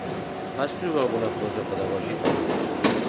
Va escriure alguna obra pedagògica?